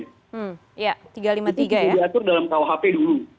itu sudah diatur dalam rkuhp dulu